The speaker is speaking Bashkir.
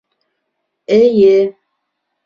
Эйе